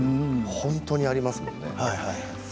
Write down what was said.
本当にありますよね。